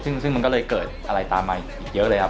ซึ่งมันก็เลยเกิดอะไรตามมาอีกเยอะเลยครับ